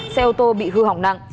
xe ô tô bị hư hỏng nặng